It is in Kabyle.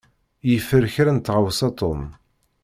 Yeffer kra n tɣawsa Tom.